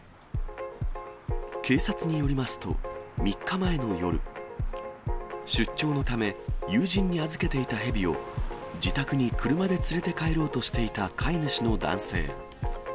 警察によりますと、３日前の夜、出張のため、友人に預けていたヘビを自宅に車で連れて帰ろうとしていた飼い主の男性。